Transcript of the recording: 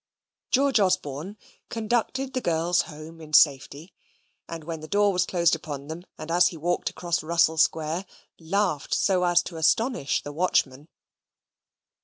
George Osborne conducted the girls home in safety: and when the door was closed upon them, and as he walked across Russell Square, laughed so as to astonish the watchman.